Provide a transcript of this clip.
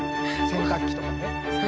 洗濯機とかね。